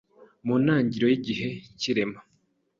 mu ntangiriro y’igihe cy’irema,